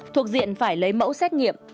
thuộc diện phải lấy mẫu xét nghiệm